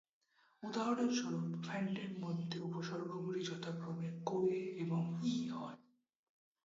উদাহরণস্বরূপ, ফ্যান্টের মধ্যে, উপসর্গগুলি যথাক্রমে "কোয়ে" এবং "ই" হয়।